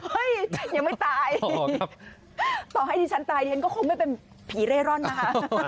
ฉันยังไม่ตายต่อให้ดิฉันตายดิฉันก็คงไม่เป็นผีเร่ร่อนนะคะ